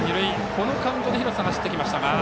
このカウントで廣瀬さん走ってきましたが。